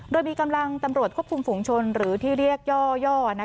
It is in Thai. โดยมีกำลังตำรวจควบคุมฝุงชนหรือที่เรียกย่อ